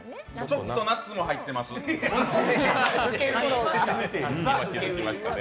ちょっとナッツも入ってますよね？